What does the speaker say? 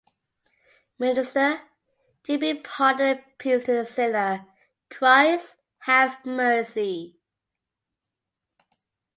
Minister: You bring pardon and peace to the sinner: Christ, have mercy.